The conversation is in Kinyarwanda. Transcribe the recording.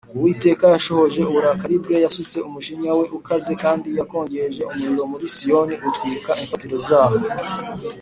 Uwiteka yashohoje uburakari bwe, Yasutse umujinya we ukaze, Kandi yakongeje umuriro muri Siyoni, Utwika imfatiro zaho.